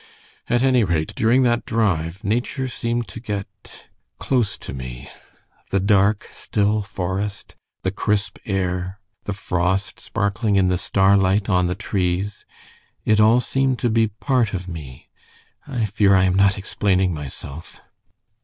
At any rate, during that drive nature seemed to get close to me. The dark, still forest, the crisp air, the frost sparkling in the starlight on the trees it all seemed to be part of me. I fear I am not explaining myself."